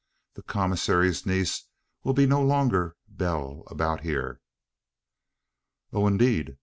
The commissary's niece will be no longer belle about here." "Oh, indeed!"